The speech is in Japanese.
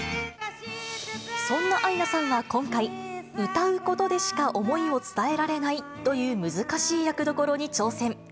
そんなアイナさんが今回、歌うことでしか思いを伝えられないという難しい役どころに挑戦。